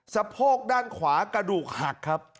เสบ้าโครกด้านขวากระดูกหัก